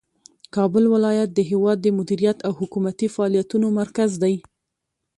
کابل ولایت د هیواد د مدیریت او حکومتي فعالیتونو مرکز دی.